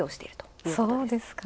そうですか。